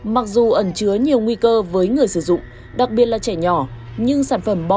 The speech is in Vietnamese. mặc dù ẩn chứa nhiều nguy cơ với người sử dụng đặc biệt là trẻ nhỏ